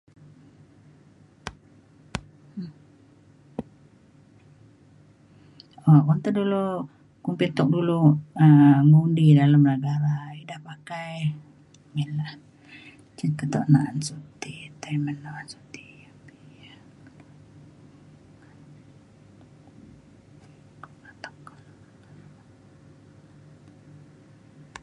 um un ta dulo kumbin tuk' dulu um ngundi dalem [unintelligible] lai, ida pakai ina cin keto naet suti tai melawat suti